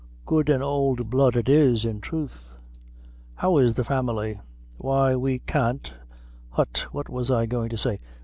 good an' ould blood it is, in troth; how is the family?" "Why we can't hut, what was I goin' to say?"